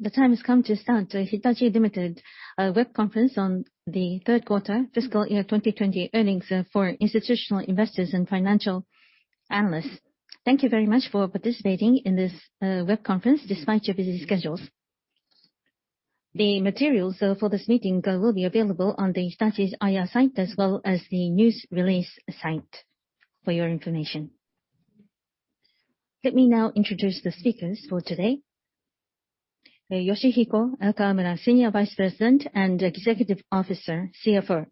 The time has come to start Hitachi, Ltd. web conference on the third quarter fiscal year 2020 earnings for institutional investors and financial analysts. Thank you very much for participating in this web conference despite your busy schedules. The materials for this meeting will be available on the Hitachi's IR site as well as the news release site, for your information. Let me now introduce the speakers for today. Yoshihiko Kawamura, Senior Vice President and Executive Officer, CFO.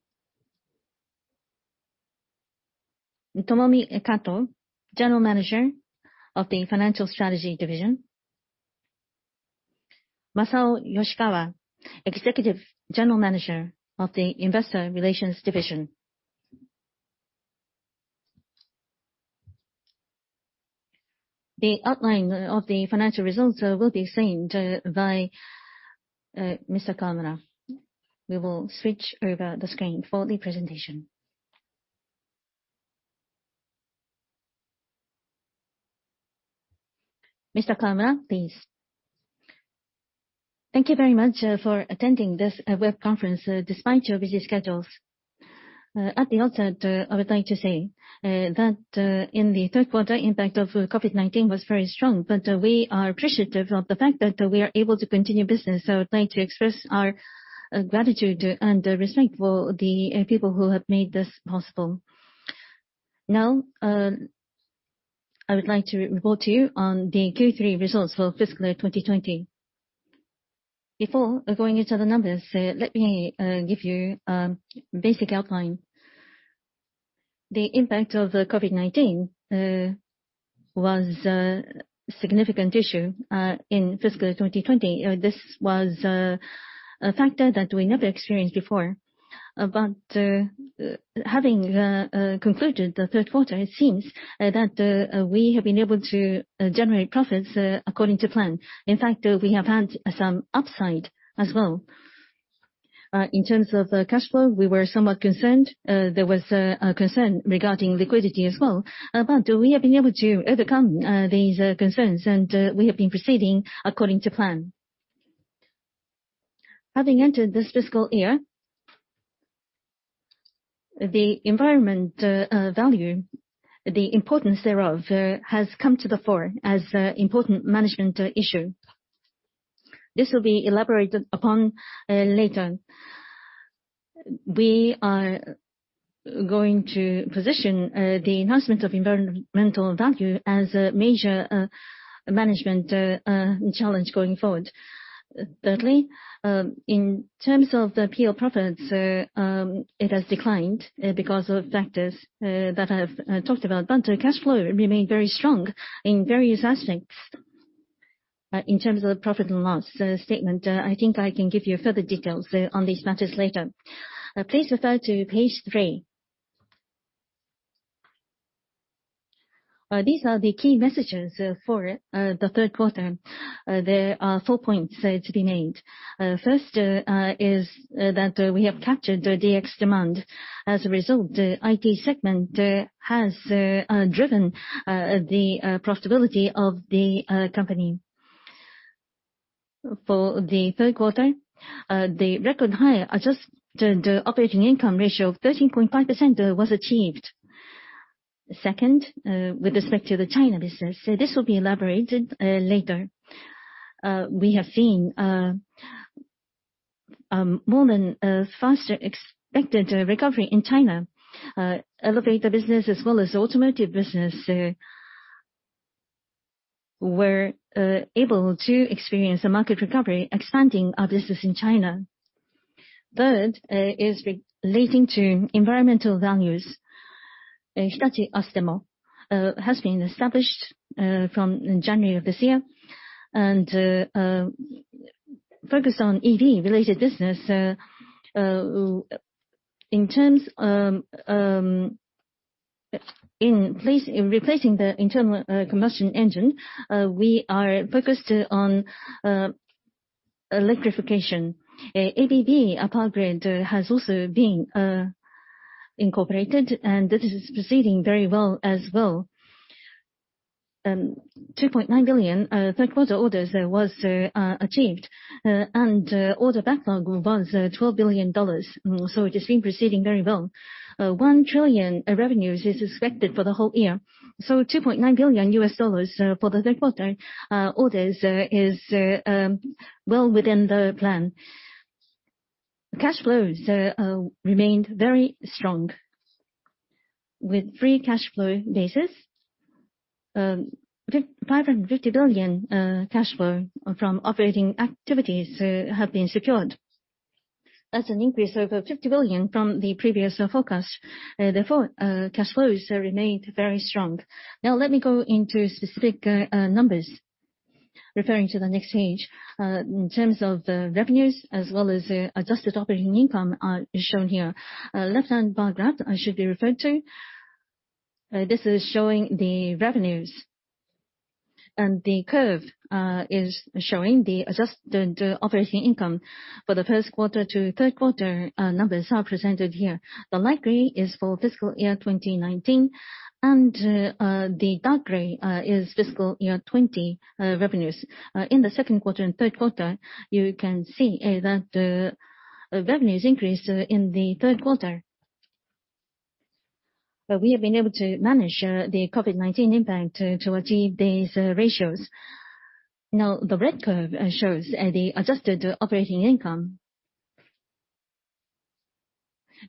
Tomomi Kato, General Manager of the Financial Strategy Division. Masao Yoshikawa, Executive General Manager of the Investor Relations Division. The outline of the financial results will be seen by Mr. Kawamura. We will switch over the screen for the presentation. Mr. Kawamura, please. Thank you very much for attending this web conference, despite your busy schedules. At the outset, I would like to say that in the third quarter, impact of COVID-19 was very strong, but we are appreciative of the fact that we are able to continue business. I would like to express our gratitude and respect for the people who have made this possible. Now, I would like to report to you on the Q3 results for fiscal year 2020. Before going into the numbers, let me give you a basic outline. The impact of COVID-19 was a significant issue in fiscal 2020. This was a factor that we never experienced before. Having concluded the third quarter, it seems that we have been able to generate profits according to plan. In fact, we have had some upside as well. In terms of cash flow, we were somewhat concerned. There was a concern regarding liquidity as well. We have been able to overcome these concerns, and we have been proceeding according to plan. Having entered this fiscal year, the environment value, the importance thereof, has come to the fore as an important management issue. This will be elaborated upon later. We are going to position the enhancement of environmental value as a major management challenge going forward. Thirdly, in terms of the EBIT profits, it has declined because of factors that I've talked about. Cash flow remained very strong in various aspects. In terms of the profit and loss statement, I think I can give you further details on these matters later. Please refer to page three. These are the key messages for the third quarter. There are four points to be made. First is that we have captured the DX demand. As a result, the IT segment has driven the profitability of the company. For the third quarter, the record high adjusted operating income ratio of 13.5% was achieved. Second, with respect to the China business, this will be elaborated later. We have seen a more than faster expected recovery in China. Elevator business as well as automotive business were able to experience a market recovery, expanding our business in China. Third is relating to environmental values. Hitachi Astemo has been established from January of this year and focused on EV related business. In replacing the internal combustion engine, we are focused on electrification. ABB Power Grids has also been incorporated, and this is proceeding very well as well. $2.9 billion third quarter orders was achieved, and order backlog was $12 billion. It has been proceeding very well. 1 trillion revenues is expected for the whole year. $2.9 billion for the third quarter orders is well within the plan. Cash flows remained very strong. With free cash flow basis, 550 billion cash flow from operating activities have been secured. That's an increase over 50 billion from the previous forecast. Cash flows remained very strong. Let me go into specific numbers. Referring to the next page, in terms of the revenues as well as adjusted operating income are shown here. Left-hand bar graph should be referred to. This is showing the revenues. The curve is showing the adjusted operating income for the first quarter to third quarter numbers are presented here. The light gray is for fiscal year 2019, and the dark gray is fiscal year 2020 revenues. In the second quarter and third quarter, you can see that revenues increased in the third quarter. We have been able to manage the COVID-19 impact to achieve these ratios. The red curve shows the adjusted operating income.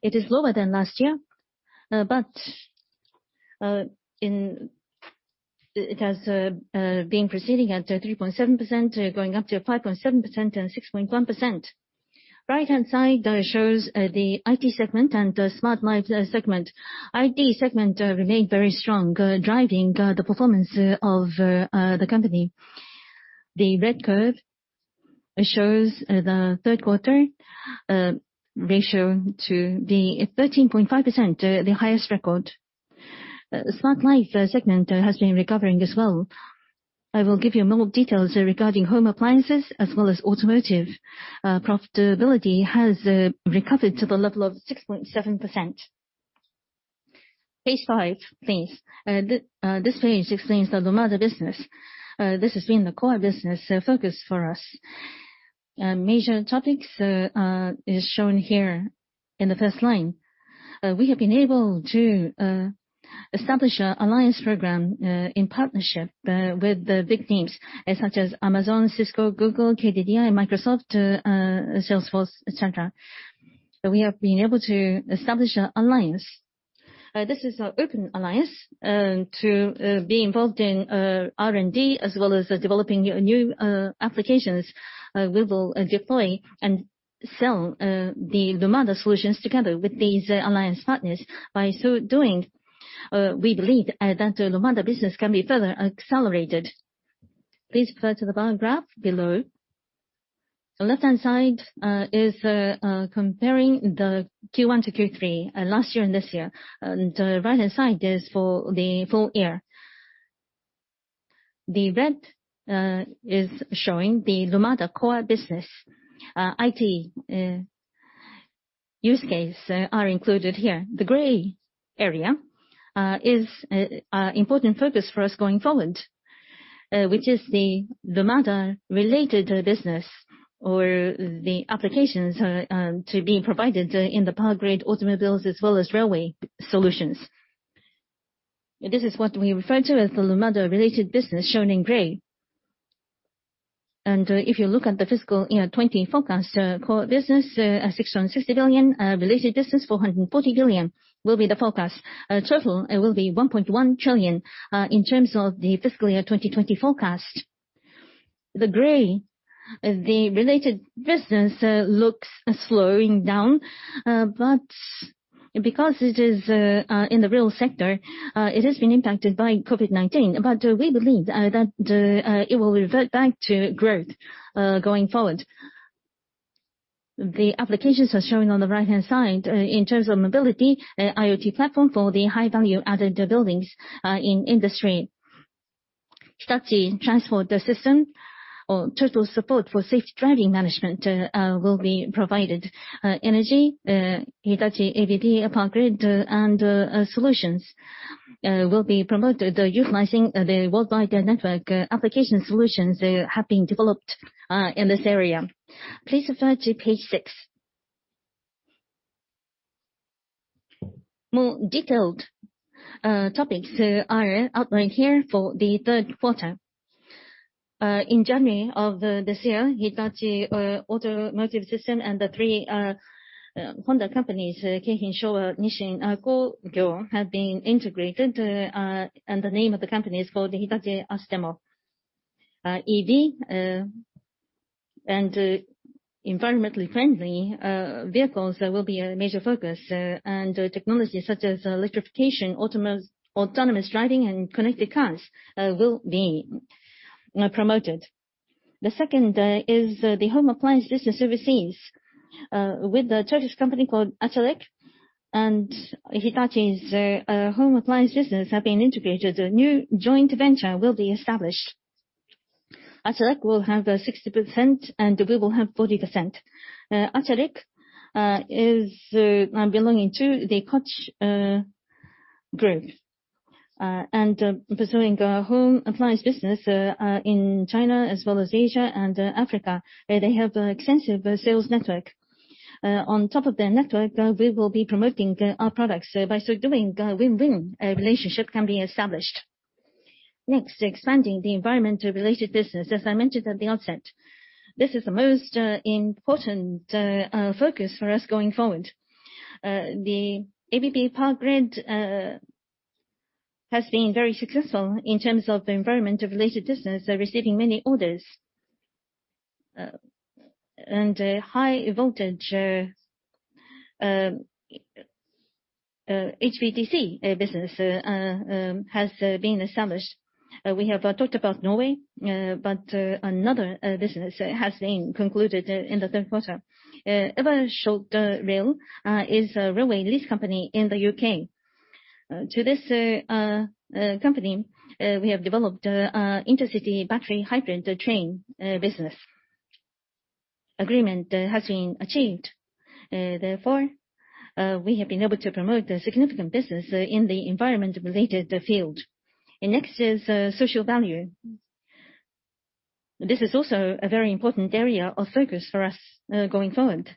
It is lower than last year, it has been proceeding at 3.7%, going up to 5.7% and 6.1%. Right-hand side shows the IT segment and the Smart Life segment. IT segment remained very strong, driving the performance of the company. The red curve shows the third quarter ratio to be 13.5%, the highest record. Smart Life segment has been recovering as well. I will give you more details regarding home appliances as well as automotive. Profitability has recovered to the level of 6.7%. Page five, please. This page explains the Lumada business. This has been the core business focus for us. Major topics is shown here in the first line. We have been able to establish an alliance program in partnership with the big names such as Amazon, Cisco, Google, KDDI, Microsoft, Salesforce, et cetera. We have been able to establish an alliance. This is an open alliance to be involved in R&D, as well as developing new applications. We will deploy and sell the Lumada solutions together with these alliance partners. By so doing, we believe that the Lumada business can be further accelerated. Please refer to the bar graph below. The left-hand side is comparing the Q1 to Q3, last year and this year. The right-hand side is for the full year. The red is showing the Lumada core business. IT use case are included here. The gray area is important focus for us going forward, which is the Lumada-related business or the applications to be provided in the Power Grids, automobiles, as well as railway solutions. This is what we refer to as the Lumada-related business, shown in gray. If you look at the fiscal year 2020 forecast, core business, 660 billion, related business, 440 billion, will be the forecast. Total, it will be 1.1 trillion in terms of the fiscal year 2020 forecast. The related business looks slowing down, but because it is in the real sector, it has been impacted by COVID-19. We believe that it will revert back to growth going forward. The applications are shown on the right-hand side in terms of mobility, IoT platform for the high value added buildings in industry. Hitachi Transport System or total support for safe driving management will be provided. Energy, Hitachi ABB Power Grids, and solutions will be promoted, utilizing the worldwide network application solutions that have been developed in this area. Please refer to page six. More detailed topics are outlined here for the third quarter. In January of this year, Hitachi Automotive Systems and the three Honda companies, Keihin, Showa, Nissin Kogyo, have been integrated. The name of the company is called Hitachi Astemo. EV and environmentally friendly vehicles will be a major focus. Technologies such as electrification, autonomous driving, and connected cars will be promoted. The second is the home appliance business overseas. With the Turkish company called Arçelik and Hitachi's home appliance business have been integrated, a new joint venture will be established. Arçelik will have 60% and we will have 40%. Arçelik is belonging to the Koç Group and pursuing a home appliance business in China, as well as Asia and Africa. They have extensive sales network. On top of their network, we will be promoting our products. By so doing, a win-win relationship can be established. Next, expanding the environmental related business. As I mentioned at the outset, this is the most important focus for us going forward. The ABB Power Grids has been very successful in terms of the environment-related business, receiving many orders. High voltage, HVDC business has been established. We have talked about Norway, another business has been concluded in the third quarter. Eversholt Rail is a railway lease company in the U.K. To this company, we have developed intercity battery hybrid train business. Agreement has been achieved. Therefore, we have been able to promote the significant business in the environment-related field. Next is social value. This is also a very important area of focus for us going forward.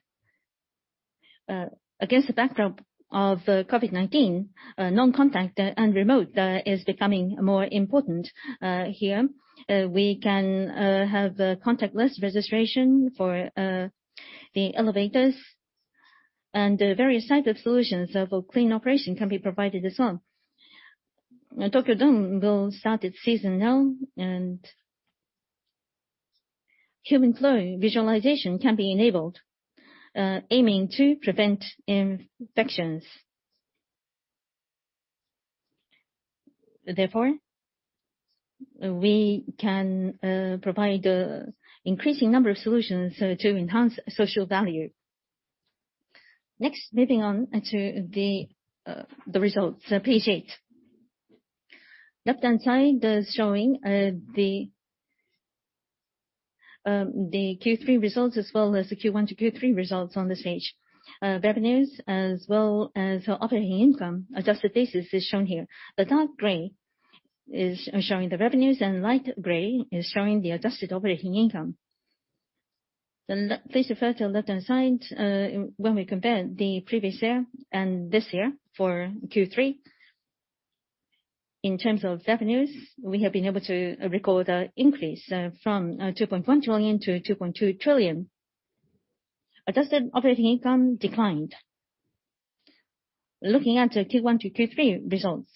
Against the background of COVID-19, non-contact and remote is becoming more important here. We can have contactless registration for the elevators, and various types of solutions for clean operation can be provided as well. Dr. Deng will start his season now, and human flow visualization can be enabled, aiming to prevent infections. We can provide increasing number of solutions to enhance social value. Moving on to the results, page eight. Left-hand side is showing the Q3 results as well as the Q1 to Q3 results on this page. Revenues as well as operating income, adjusted basis is shown here. The dark gray is showing the revenues, and light gray is showing the adjusted operating income. Please refer to the left-hand side, when we compare the previous year and this year for Q3, in terms of revenues, we have been able to record an increase from 2.1 trillion to 2.2 trillion. Adjusted operating income declined. Looking at the Q1 to Q3 results.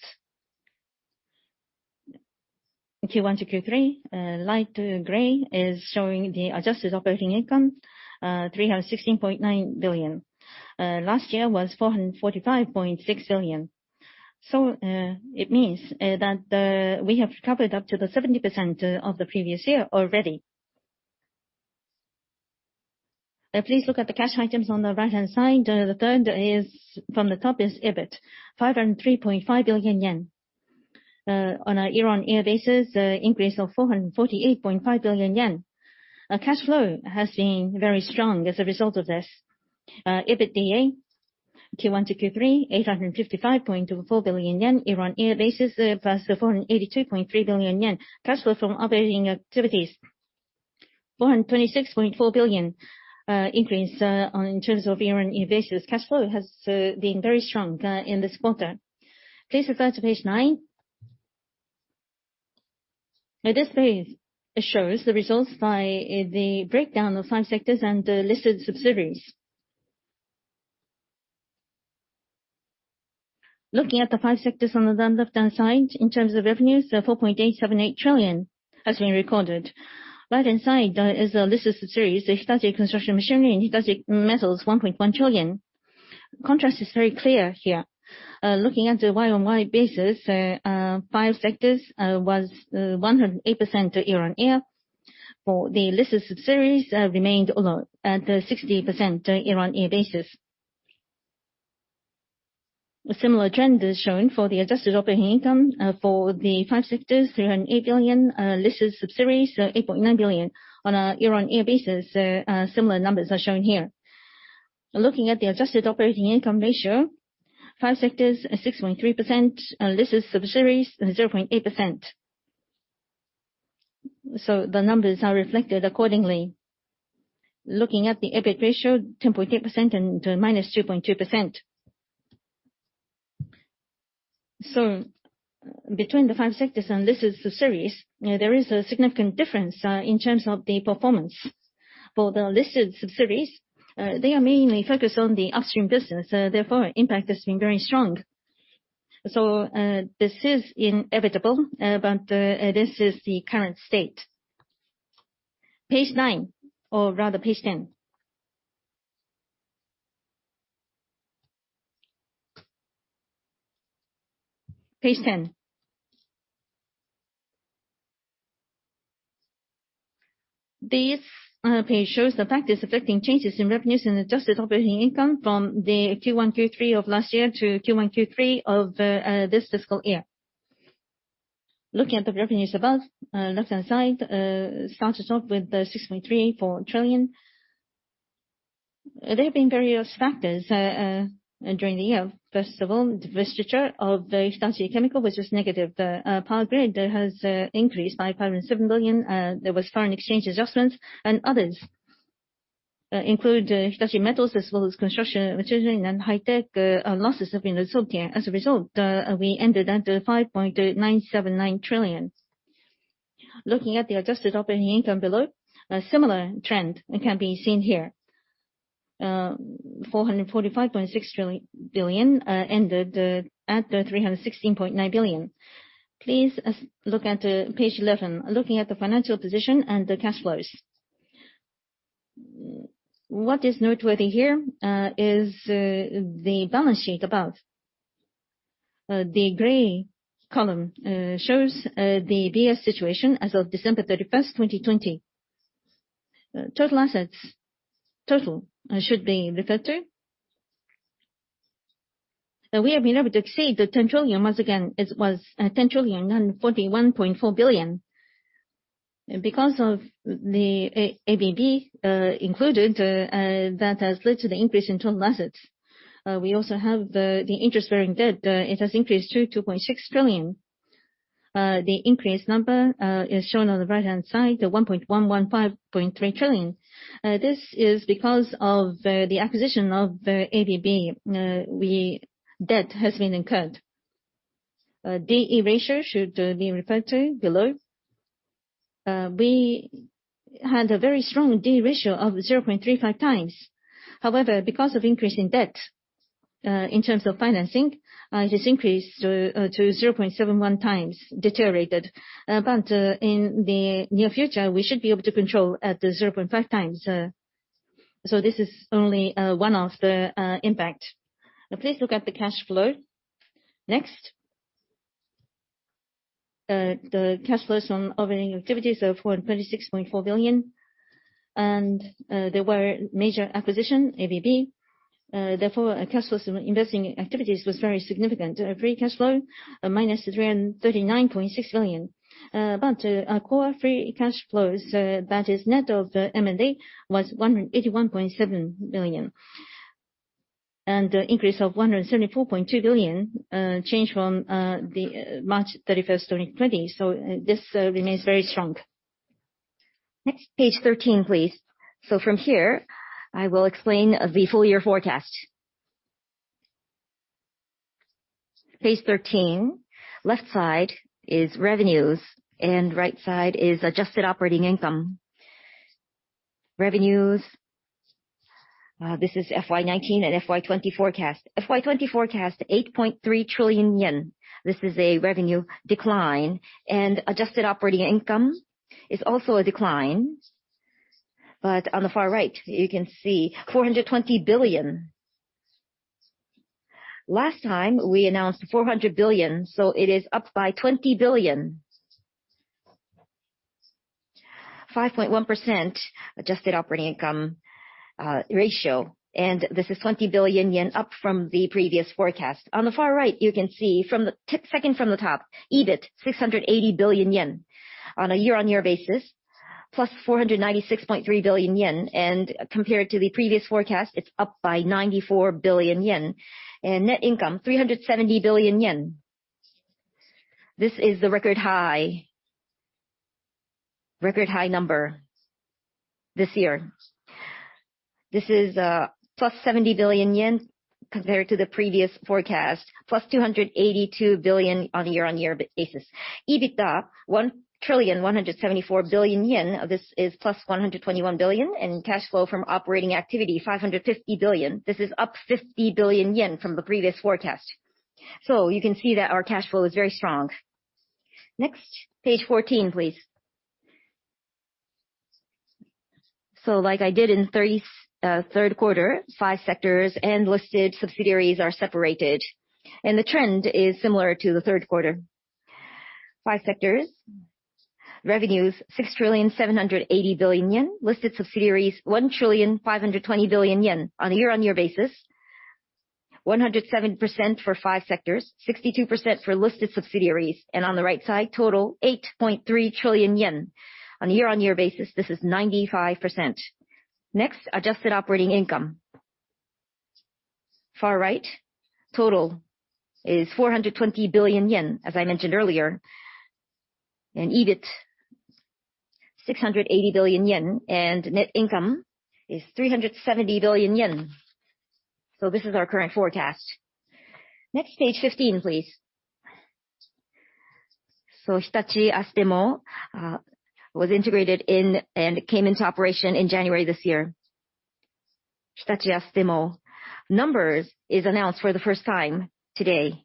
Q1 to Q3, light gray is showing the adjusted operating income, 316.9 billion. Last year was 445.6 billion. It means that we have recovered up to 70% of the previous year already. Please look at the cash items on the right-hand side. The third from the top is EBIT, 503.5 billion yen. On a year-on-year basis, increase of 448.5 billion yen. Cash flow has been very strong as a result of this. EBITDA Q1 to Q3, 855.24 billion yen year-on-year basis, plus 482.3 billion yen. Cash flow from operating activities, 426.4 billion increase in terms of year-on-year basis. Cash flow has been very strong in this quarter. Please refer to page nine. This page shows the results by the breakdown of five sectors and listed subsidiaries. Looking at the five sectors on the left-hand side, in terms of revenues, 4.878 trillion has been recorded. Right-hand side is the listed subsidiaries, Hitachi Construction Machinery, Hitachi Metals, 1.1 trillion. Contrast is very clear here. Looking at the Y-on-Y basis, five sectors was 108% year-on-year, for the listed subsidiaries remained at 60% year-on-year basis. Similar trend is shown for the adjusted operating income for the five sectors, 308 billion, listed subsidiaries, 8.9 billion on a year-on-year basis. Similar numbers are shown here. Looking at the adjusted operating income ratio, five sectors are 6.3%, and listed subsidiaries are 0.8%. The numbers are reflected accordingly. Looking at the EBIT ratio, 10.8% and minus 2.2%. Between the five sectors and listed subsidiaries, there is a significant difference in terms of the performance. For the listed subsidiaries, they are mainly focused on the upstream business, therefore, impact has been very strong. This is inevitable, but this is the current state. Page nine, or rather page 10. Page 10. This page shows the factors affecting changes in revenues and adjusted operating income from the Q1/Q3 of last year to Q1/Q3 of this fiscal year. Looking at the revenues above, left-hand side, starts us off with the 6.34 trillion. There have been various factors during the year. First of all, divestiture of Hitachi Chemical, which was negative. The Power Grids has increased by 507 billion. There was foreign exchange adjustments, and others include Hitachi Metals as well as Construction Machinery and High-Tech losses have been absorbed here. As a result, we ended at 5.979 trillion. Looking at the adjusted operating income below, a similar trend can be seen here. 445.6 billion ended at 316.9 billion. Please look at page 11. Looking at the financial position and the cash flows. What is noteworthy here is the balance sheet above. The gray column shows the B/S situation as of 31st December 2020. Total assets. Total should be referred to. We have been able to exceed the 10 trillion. Once again, it was 10,141.4 billion. Because of the ABB included, that has led to the increase in total assets. We also have the interest-bearing debt. It has increased to 2.6 trillion. The increased number is shown on the right-hand side, the JPY 1.115.3 trillion. This is because of the acquisition of ABB, debt has been incurred. D/E ratio should be referred to below. We had a very strong D/E ratio of 0.35x. However, because of increase in debt, in terms of financing, it has increased to 0.71x, deteriorated. In the near future, we should be able to control at the 0.5x. This is only one of the impact. Please look at the cash flow. Next. The cash flows from operating activities are 426.4 billion, and there were major acquisition, ABB. Therefore, cash flows from investing activities was very significant. Free cash flow, a minus 339.6 billion. Our core free cash flows, that is net of the M&A, was 181.7 billion. Increase of 174.2 billion, change from March 31st, 2020. This remains very strong. Next, page 13, please. From here, I will explain the full year forecast. Page 13, left side is revenues and right side is adjusted operating income. Revenues, this is FY 2019 and FY 2020 forecast. FY 2020 forecast, 8.3 trillion yen. This is a revenue decline, and adjusted operating income is also a decline. On the far right, you can see 420 billion. Last time, we announced 400 billion, so it is up by 20 billion. 5.1% adjusted operating income ratio. This is 20 billion yen up from the previous forecast. On the far right, you can see, second from the top, EBIT, 680 billion yen. On a year-over-year basis, plus 496.3 billion yen. Compared to the previous forecast, it is up by 94 billion yen. Net income, 370 billion yen. This is the record high number this year. This is plus 70 billion yen compared to the previous forecast, plus 282 billion on a year-over-year basis. EBITDA, 1,174 billion yen. This is plus 121 billion. Cash flow from operating activity, 550 billion. This is up 50 billion yen from the previous forecast. You can see that our cash flow is very strong. Next, page 14, please. Like I did in third quarter, five sectors and listed subsidiaries are separated, and the trend is similar to the third quarter. Five sectors, revenues 6 trillion 780 billion. Listed subsidiaries, 1 trillion 520 billion. On a year-over-year basis, 107% for five sectors, 62% for listed subsidiaries. On the right side, total 8.3 trillion yen. On a year-over-year basis, this is 95%. Next, adjusted operating income. Far right, total is 420 billion yen, as I mentioned earlier. EBIT, 680 billion yen, and net income is 370 billion yen. This is our current forecast. Next, page 15, please. Hitachi Astemo was integrated in and came into operation in January this year. Hitachi Astemo numbers is announced for the first time today.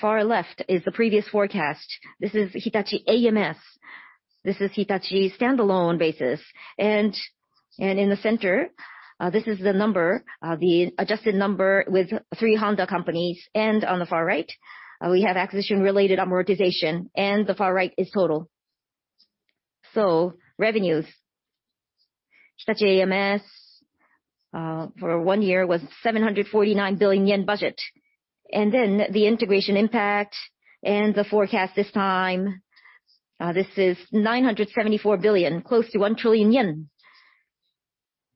Far left is the previous forecast. This is Hitachi AMS. This is Hitachi's standalone basis. In the center, this is the number, the adjusted number with three Honda companies. On the far right, we have acquisition-related amortization, and the far right is total. Revenues, Hitachi AMS for one year was 749 billion yen budget. The integration impact and the forecast this time, this is 974 billion, close to 1 trillion yen.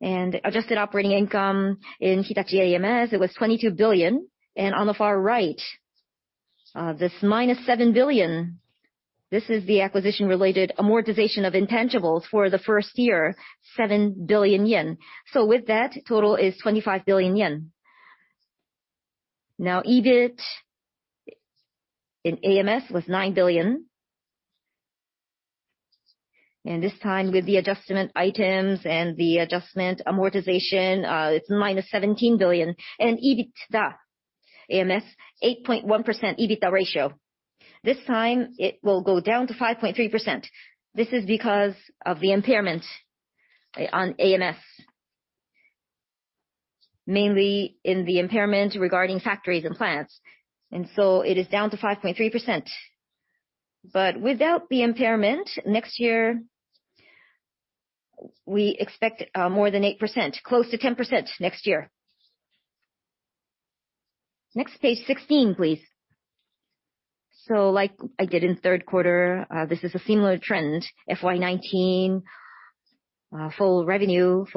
Adjusted operating income in Hitachi AMS, it was 22 billion. On the far right, this minus 7 billion, this is the acquisition-related amortization of intangibles for the first year, 7 billion yen. With that, total is 25 billion yen. EBIT in AMS was JPY 9 billion. This time, with the adjustment items and the adjustment amortization, it's minus 17 billion, and EBITDA AMS 8.1% EBITDA ratio. This time, it will go down to 5.3%. This is because of the impairment on AMS. Mainly in the impairment regarding factories and plants. It is down to 5.3%. Without the impairment, next year, we expect more than 8%, close to 10% next year. Next, page 16, please. Like I did in third quarter, this is a similar trend, FY 2019, full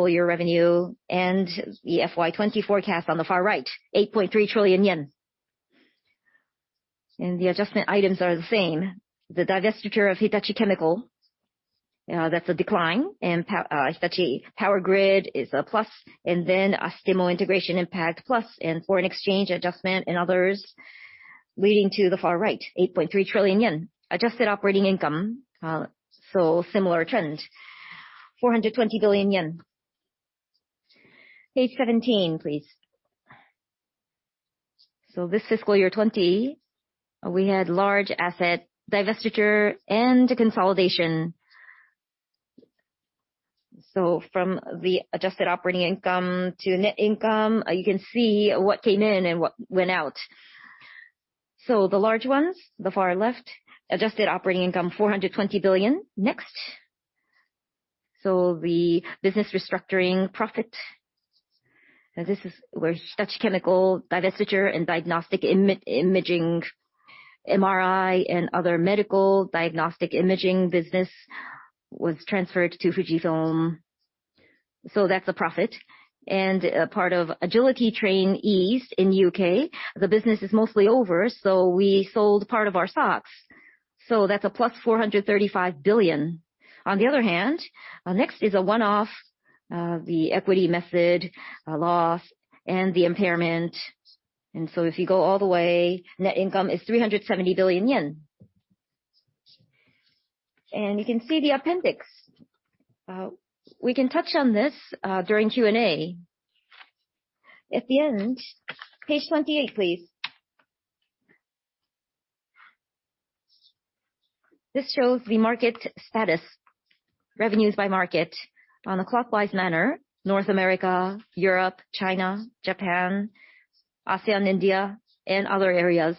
year revenue, and the FY 2020 forecast on the far right, 8.3 trillion yen. The adjustment items are the same. The divestiture of Hitachi Chemical, that's a decline. Hitachi Power Grid is a plus. Astemo integration impact plus. Foreign exchange adjustment and others, leading to the far right, 8.3 trillion yen. Adjusted operating income, similar trend, 420 billion yen. Page 17, please. This fiscal year 2020, we had large asset divestiture and consolidation. From the adjusted operating income to net income, you can see what came in and what went out. The large ones, the far left, adjusted operating income, 420 billion. Next. The business restructuring profit, this is where Hitachi Chemical divestiture and diagnostic imaging, MRI, and other medical diagnostic imaging business was transferred to Fujifilm, so that's a profit. Part of Agility Trains East in U.K., the business is mostly over, we sold part of our stocks. That's a plus 435 billion. On the other hand, next is a one-off, the equity method loss and the impairment. If you go all the way, net income is 370 billion yen. You can see the appendix. We can touch on this during Q&A. At the end, page 28, please. This shows the market status, revenues by market on a clockwise manner, North America, Europe, China, Japan, ASEAN, India, and other areas.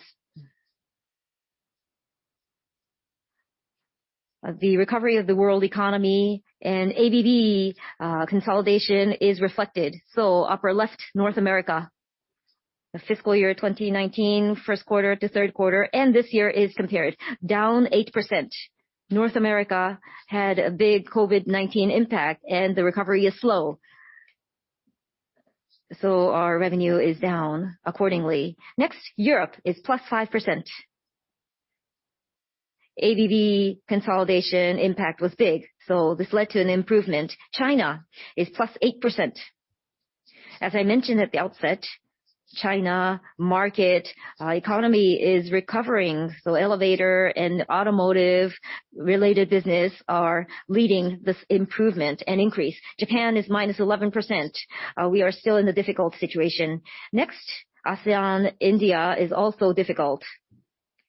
The recovery of the world economy and ABB consolidation is reflected. Upper left, North America, the fiscal year 2019, first quarter to third quarter, and this year is compared, down 8%. North America had a big COVID-19 impact and the recovery is slow. Our revenue is down accordingly. Next, Europe is plus 5%. ABB consolidation impact was big, so this led to an improvement. China is plus 8%. As I mentioned at the outset, China market economy is recovering, so elevator and automotive-related business are leading this improvement and increase. Japan is minus 11%. We are still in a difficult situation. Next, ASEAN, India is also difficult.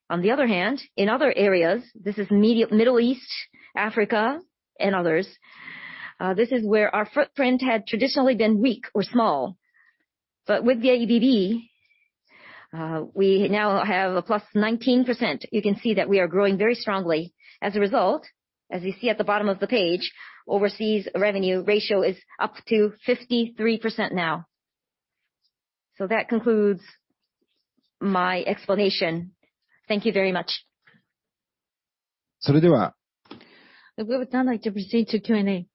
On the other hand, in other areas, this is Middle East, Africa, and others. This is where our footprint had traditionally been weak or small. With the ABB, we now have a plus 19%. You can see that we are growing very strongly. As a result, as you see at the bottom of the page, overseas revenue ratio is up to 53% now. That concludes my explanation. Thank you very much. We would now like to proceed to Q&A.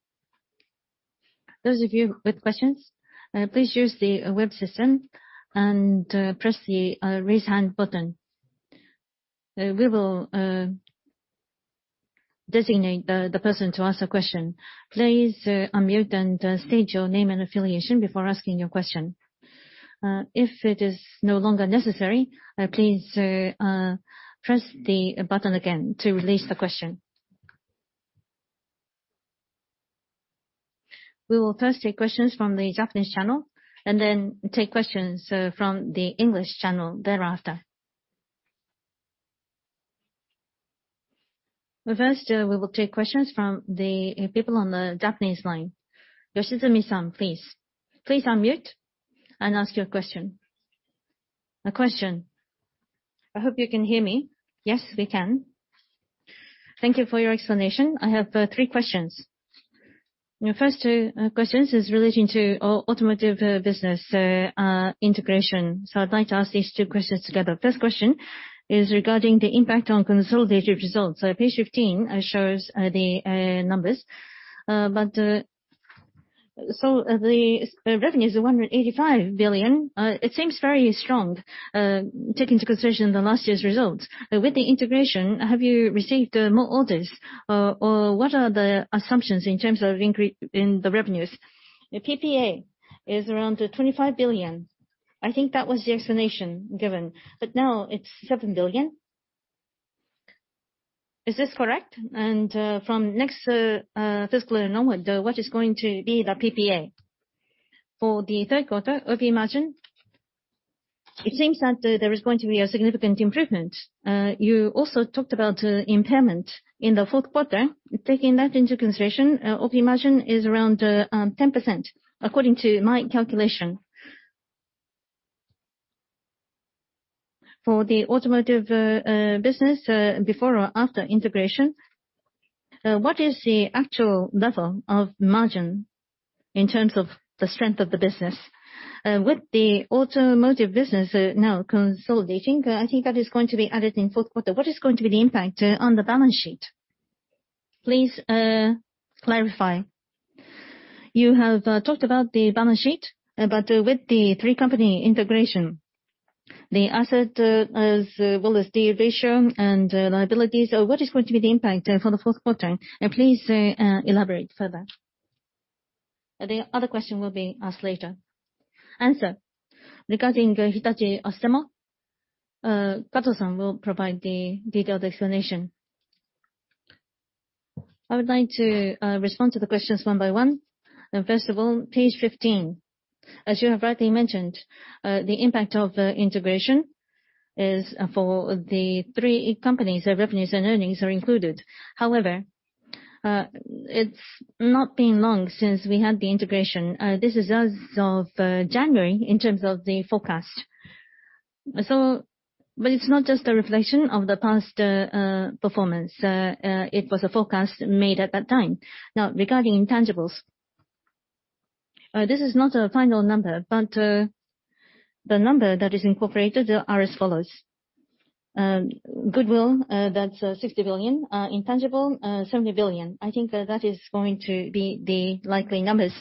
Those of you with questions, please use the web system and press the Raise Hand button. We will designate the person to ask the question. Please unmute and state your name and affiliation before asking your question. If it is no longer necessary, please press the button again to release the question. We will first take questions from the Japanese channel, and then take questions from the English channel thereafter. First, we will take questions from the people on the Japanese line. Yoshizumi-san, please. Please unmute and ask your question. A question. I hope you can hear me. Yes, we can. Thank you for your explanation. I have three questions. First two questions is relating to automotive business integration. I'd like to ask these two questions together. First question is regarding the impact on consolidated results. Page 15 shows the numbers. The revenue is 185 billion. It seems very strong, taking into consideration the last year's results. With the integration, have you received more orders? What are the assumptions in terms of increase in the revenues? The PPA is around 25 billion. I think that was the explanation given. Now it's 7 billion. Is this correct? From next fiscal year and onward, what is going to be the PPA? For the third quarter, operating margin. It seems that there is going to be a significant improvement. You also talked about impairment in the fourth quarter. Taking that into consideration, operating margin is around 10%, according to my calculation. For the automotive business, before or after integration, what is the actual level of margin in terms of the strength of the business? With the automotive business now consolidating, I think that is going to be added in fourth quarter. What is going to be the impact on the balance sheet? Please clarify. You have talked about the balance sheet, with the three company integration, the asset as well as the ratio and liabilities, what is going to be the impact for the fourth quarter? Please elaborate further. The other question will be asked later. Answer. Regarding Hitachi Astemo, Kato-san will provide the detailed explanation. I would like to respond to the questions one by one. First of all, page 15. As you have rightly mentioned, the impact of integration is for the three companies, their revenues and earnings are included. It's not been long since we had the integration. This is as of January in terms of the forecast. It's not just a reflection of the past performance, it was a forecast made at that time. Regarding intangibles, this is not a final number, but the number that is incorporated are as follows. Goodwill, that's 60 billion. Intangible, 70 billion. I think that is going to be the likely numbers.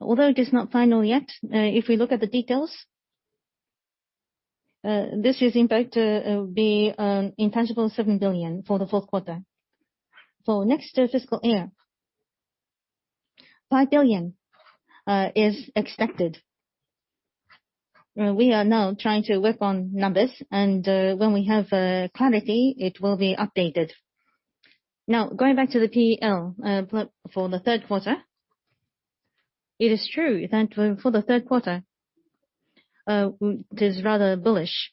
Although it is not final yet, if we look at the details, this year's impact will be intangible 7 billion for the fourth quarter. For next fiscal year, JPY 5 billion is expected. We are now trying to work on numbers, and when we have clarity, it will be updated. Going back to the P&L for the third quarter, it is true that for the third quarter, it is rather bullish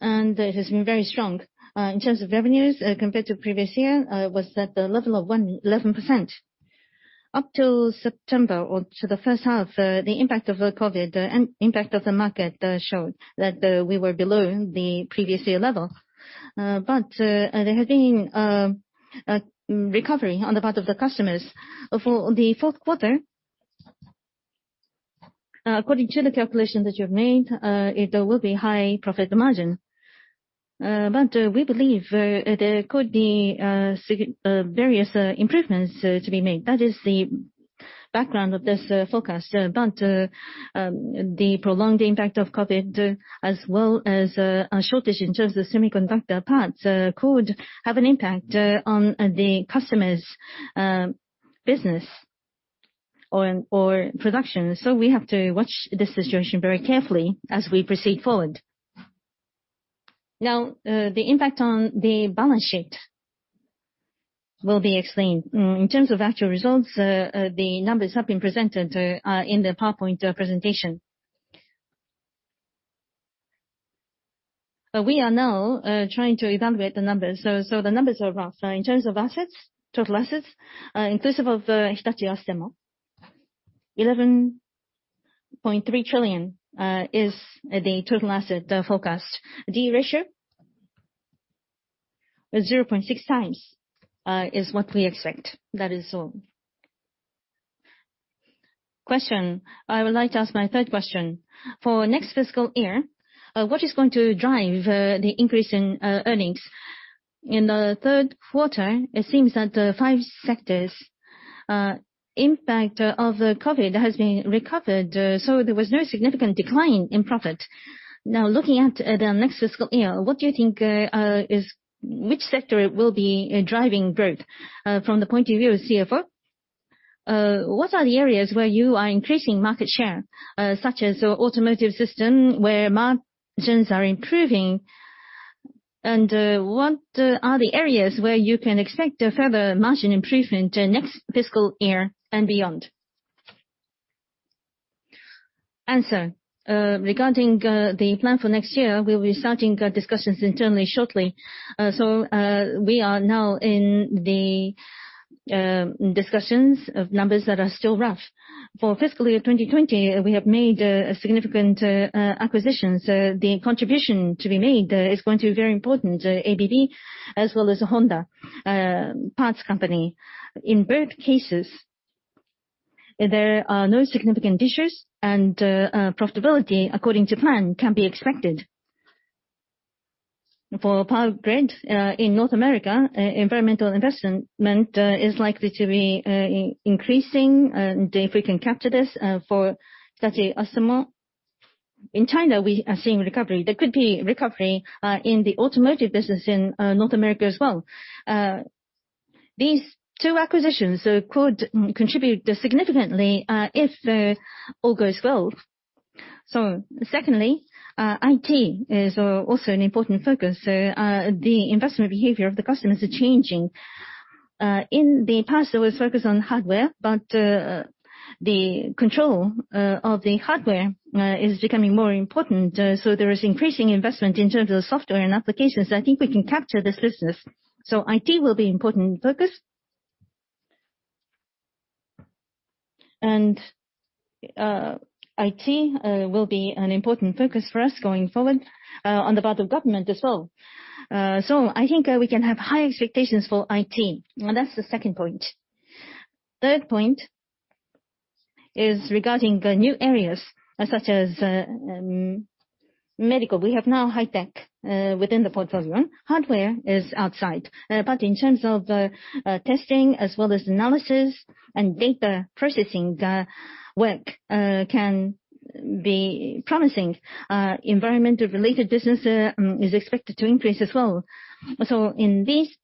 and it has been very strong. In terms of revenues, compared to previous year, was at the level of 111%. Up till September or to the first half, the impact of the COVID-19 and impact of the market showed that we were below the previous year level. There has been a recovery on the part of the customers. For the fourth quarter, according to the calculation that you have made, it will be high profit margin. We believe there could be various improvements to be made. That is the background of this forecast. The prolonged impact of COVID-19, as well as a shortage in terms of semiconductor parts, could have an impact on the customer's business or production. We have to watch this situation very carefully as we proceed forward. Now, the impact on the balance sheet will be explained. In terms of actual results, the numbers have been presented in the PowerPoint presentation. We are now trying to evaluate the numbers, the numbers are rough. In terms of assets, total assets, inclusive of Hitachi Astemo, 11.3 trillion is the total asset forecast. D/E ratio, 0.6x is what we expect. That is all. I would like to ask my third question. For next fiscal year, what is going to drive the increase in earnings? In the third quarter, it seems that the five sectors impact of the COVID-19 has been recovered, there was no significant decline in profit. Looking at the next fiscal year, what do you think, which sector will be driving growth? From the point of view of CFO, what are the areas where you are increasing market share, such as Hitachi Astemo, where margins are improving, and what are the areas where you can expect a further margin improvement next fiscal year and beyond? Regarding the plan for next year, we'll be starting discussions internally shortly. We are now in the discussions of numbers that are still rough. For fiscal year 2020, we have made significant acquisitions. The contribution to be made is going to be very important, ABB as well as Hitachi Astemo. In both cases, there are no significant issues, and profitability according to plan can be expected. For Power Grids in North America, environmental investment is likely to be increasing, and if we can capture this for Hitachi Astemo. In China, we are seeing recovery. There could be recovery in the automotive business in North America as well. These two acquisitions could contribute significantly if all goes well. Secondly, IT is also an important focus. The investment behavior of the customers are changing. In the past, there was focus on hardware, but the control of the hardware is becoming more important, so there is increasing investment in terms of software and applications. I think we can capture this business. IT will be important focus. IT will be an important focus for us going forward on the part of government as well. I think we can have high expectations for IT. That's the second point. Third point is regarding the new areas such as medical. We have now Hitachi High-Tech within the portfolio. Hardware is outside. In terms of testing as well as analysis and data processing, the work can be promising. Environmental related business is expected to increase as well. In these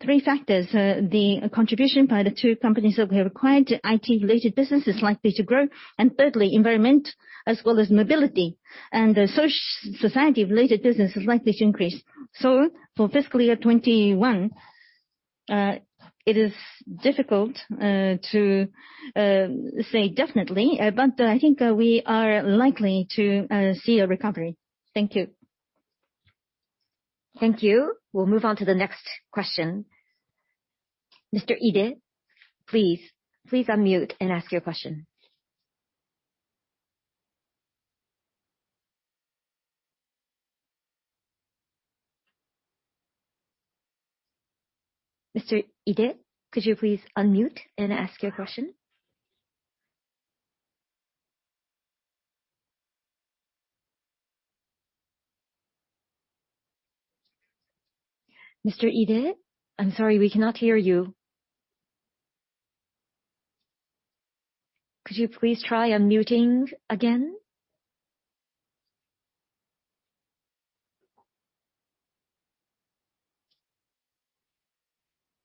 three factors, the contribution by the two companies that we have acquired, IT-related business is likely to grow, and thirdly, environment as well as mobility and society-related business is likely to increase. For fiscal year 2021, it is difficult to say definitely, but I think we are likely to see a recovery. Thank you. Thank you. We'll move on to the next question. Mr. Ide, please unmute and ask your question. Mr. Ide, could you please unmute and ask your question? Mr. Ide? I'm sorry, we cannot hear you. Could you please try unmuting again?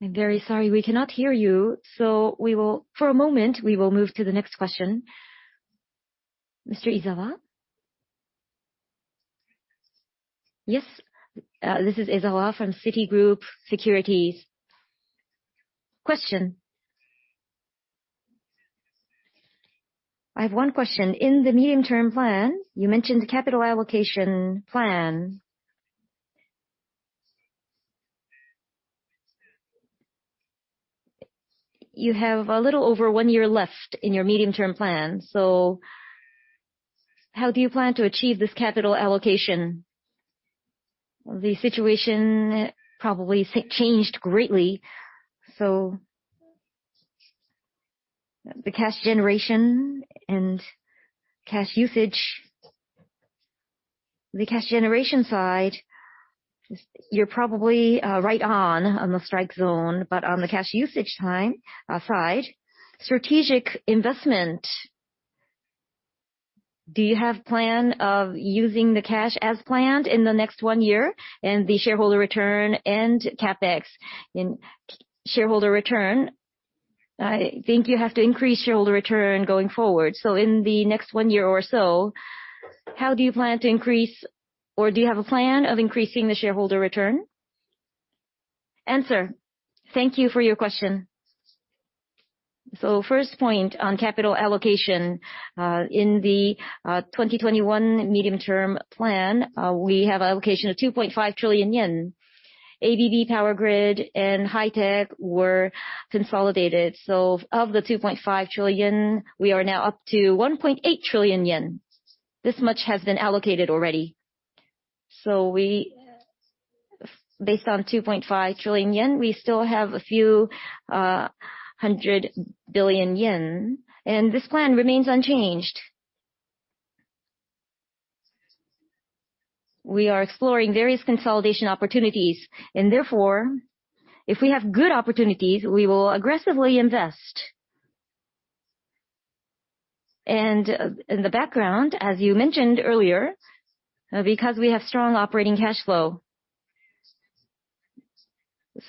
I'm very sorry we cannot hear you. For a moment, we will move to the next question. Mr. Ezawa? Yes. This is Ezawa from Citigroup Securities. Question. I have one question. In the medium-term plan, you mentioned capital allocation plan. You have a little over one year left in your medium-term plan, how do you plan to achieve this capital allocation? The situation probably changed greatly, so the cash generation and cash usage, the cash generation side, you're probably right on the strike zone, but on the cash usage side, strategic investment, do you have plan of using the cash as planned in the next one year, and the shareholder return and CapEx? In shareholder return, I think you have to increase shareholder return going forward. In the next one year or so, how do you plan to increase, or do you have a plan of increasing the shareholder return? Answer. Thank you for your question. First point on capital allocation. In the 2021 medium-term plan, we have allocation of 2.5 trillion yen. ABB Power Grids and Hitachi High-Tech were consolidated, of the 2.5 trillion, we are now up to 1.8 trillion yen. This much has been allocated already. Based on 2.5 trillion yen, we still have a few hundred billion JPY, and this plan remains unchanged. We are exploring various consolidation opportunities, and therefore, if we have good opportunities, we will aggressively invest. In the background, as you mentioned earlier, because we have strong operating cash flow,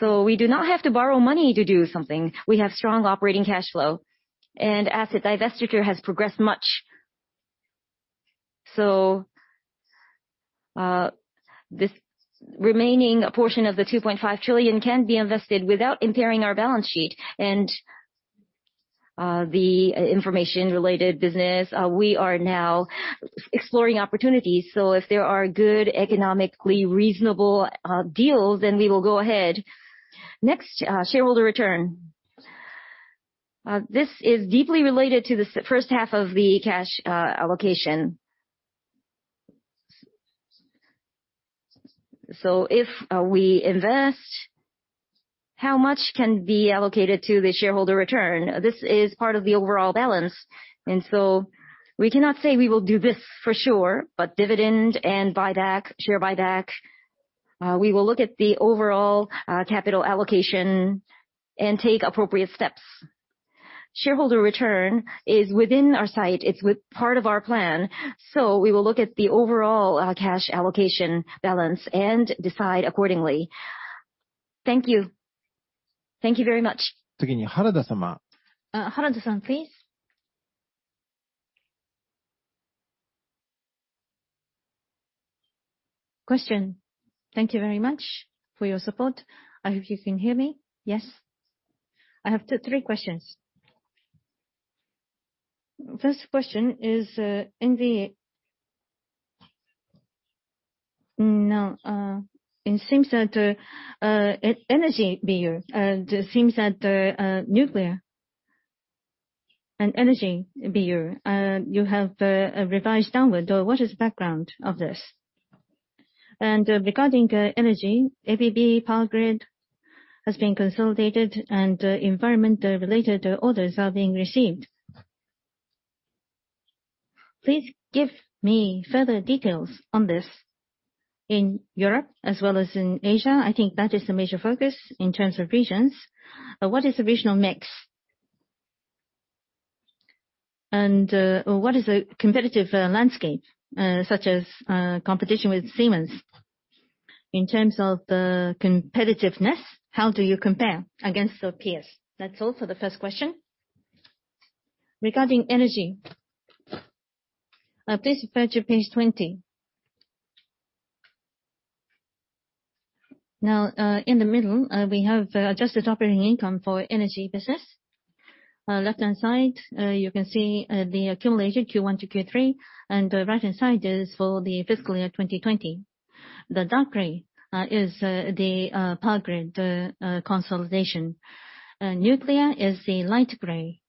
we do not have to borrow money to do something. We have strong operating cash flow, and asset divestiture has progressed much. This remaining portion of the 2.5 trillion can be invested without impairing our balance sheet. The information related business, we are now exploring opportunities. If there are good economically reasonable deals, then we will go ahead. Next, shareholder return. This is deeply related to the first half of the cash allocation. If we invest, how much can be allocated to the shareholder return? This is part of the overall balance, and so we cannot say we will do this for sure, but dividend and buyback, share buyback, we will look at the overall capital allocation and take appropriate steps. Shareholder return is within our sight. It's part of our plan, so we will look at the overall cash allocation balance and decide accordingly. Thank you. Thank you very much. Harada-san, please. Question. Thank you very much for your support. I hope you can hear me. I have three questions. First question is, it seems that Energy BU, it seems that Nuclear and Energy BU, you have revised downward. What is the background of this? Regarding energy, ABB Power Grids has been consolidated and environment-related orders are being received. Please give me further details on this in Europe as well as in Asia. I think that is the major focus in terms of regions. What is the regional mix? What is the competitive landscape, such as competition with Siemens? In terms of the competitiveness, how do you compare against your peers? That's all for the first question. Regarding energy, please refer to page 20. Now, in the middle, we have adjusted operating income for energy business. Left-hand side, you can see the accumulated Q1 to Q3, right-hand side is for the fiscal year 2020. The dark gray is the Power Grids, the consolidation. Nuclear is the light gray.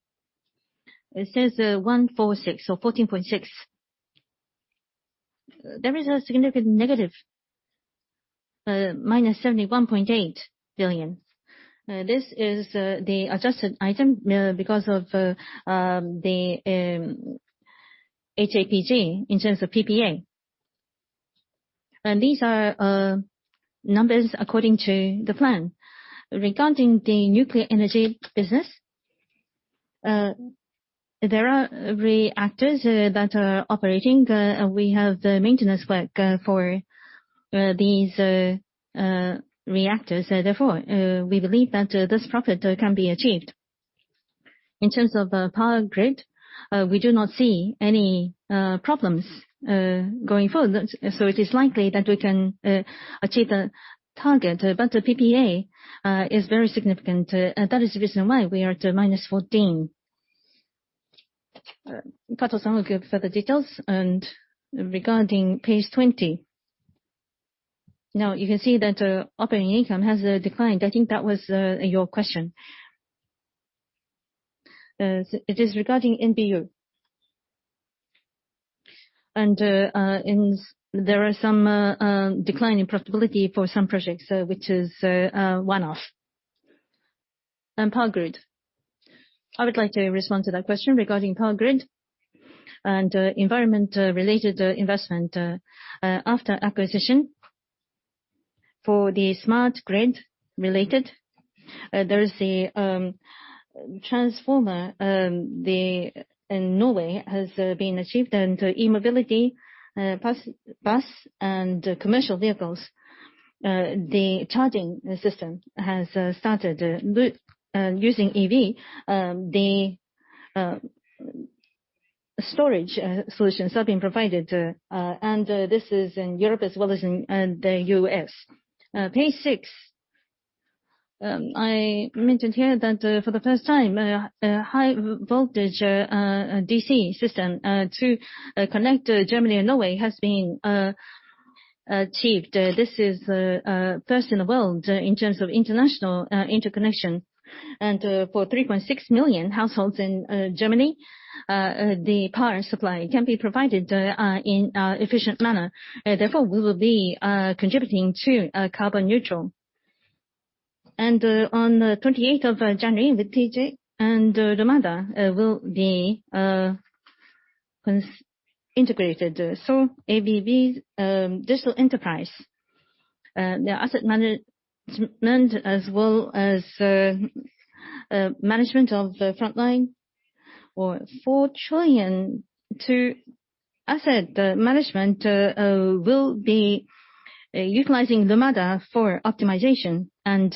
It says 146 or 14.6. There is a significant negative, minus 71.8 billion. This is the adjusted item because of the HAPG in terms of PPA. These are numbers according to the plan. Regarding the nuclear energy business, there are reactors that are operating. We have the maintenance work for these reactors, therefore, we believe that this profit can be achieved. In terms of Power Grids, we do not see any problems going forward, it is likely that we can achieve the target, the PPA is very significant. That is the reason why we are at minus 14. Kato-san will give further details. Regarding page 20, now you can see that operating income has declined. I think that was your question. It is regarding NBU. There are some decline in profitability for some projects, which is one-off. Power Grid. I would like to respond to that question regarding Power Grid and environment-related investment. After acquisition, for the smart grid related, there is the transformer in Norway has been achieved and e-mobility bus and commercial vehicles, the charging system has started using EV. The storage solutions are being provided, and this is in Europe as well as in the U.S. Page six. I mentioned here that for the first time, a high voltage DC system to connect Germany and Norway has been achieved. This is first in the world in terms of international interconnection. For 3.6 million households in Germany, the power supply can be provided in efficient manner. Therefore, we will be contributing to carbon neutral. On the 28th of January, Hitachi and Lumada will be integrated. ABB's Digital Enterprise, their asset management as well as management of the frontline or 4 trillion to asset management will be utilizing Lumada for optimization and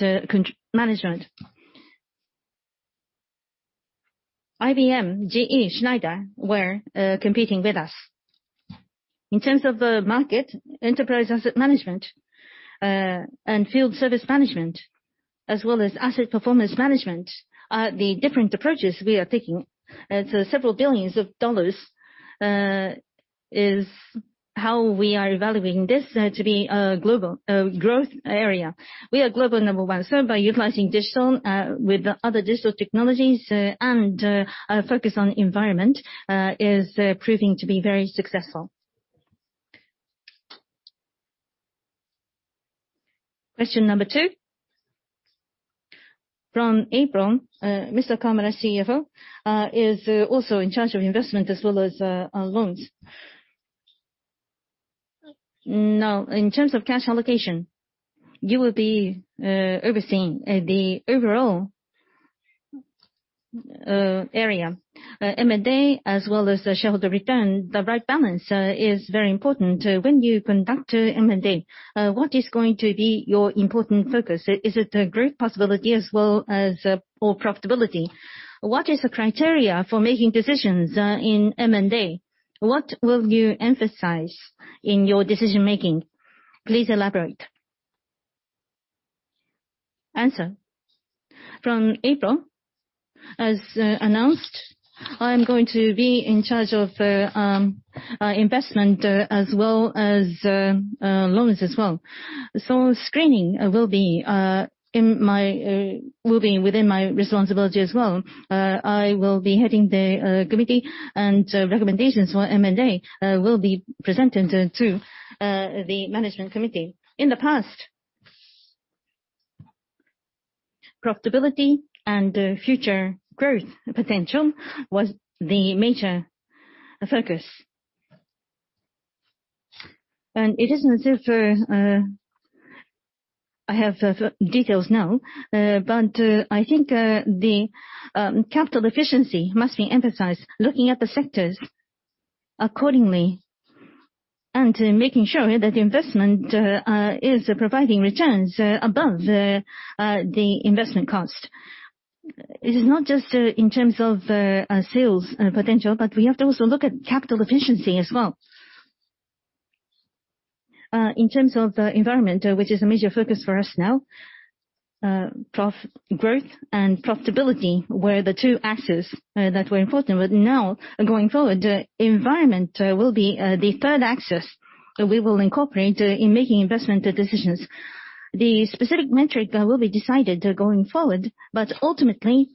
management. IBM, GE, Schneider were competing with us. In terms of the market, enterprise asset management, and field service management, as well as asset performance management, are the different approaches we are taking. Several billions of dollars is how we are evaluating this to be a global growth area. We are global number one. By utilizing digital with the other digital technologies and a focus on environment is proving to be very successful. Question number two, from April, Mr. Kawamura, CFO, is also in charge of investment as well as our loans. In terms of cash allocation, you will be overseeing the overall area. M&A as well as the shareholder return, the right balance is very important. When you conduct M&A, what is going to be your important focus? Is it the growth possibility as well as/or profitability? What is the criteria for making decisions in M&A? What will you emphasize in your decision-making? Please elaborate. From April, as announced, I'm going to be in charge of investment, as well as loans as well. Screening will be within my responsibility as well. I will be heading the committee, and recommendations for M&A will be presented to the management committee. In the past, profitability and future growth potential was the major focus. It isn't as if I have details now, but I think the capital efficiency must be emphasized, looking at the sectors accordingly, and making sure that the investment is providing returns above the investment cost. It is not just in terms of sales potential, but we have to also look at capital efficiency as well. In terms of the environment, which is a major focus for us now, growth and profitability were the two axes that were important. Now, going forward, the environment will be the third axis that we will incorporate in making investment decisions. The specific metric will be decided going forward, but ultimately,